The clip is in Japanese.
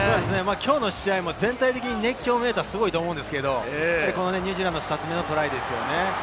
きょうの試合、全体的に熱狂メーターがすごいと思うんですけれど、ニュージーランド２つ目のトライですよね。